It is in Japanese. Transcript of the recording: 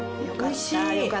おいしい。